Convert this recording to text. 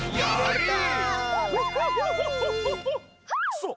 そう。